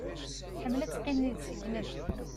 Tḥemmel ad teqqim d yid-s akken ad ḥkunt.